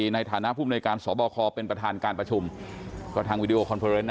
ในฐานะภูมิในการสบคเป็นประธานการประชุมก็ทางวิดีโอคอนเฟอร์เนส